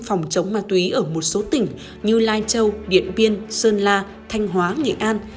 phòng chống ma túy ở một số tỉnh như lai châu điện biên sơn la thanh hóa nghệ an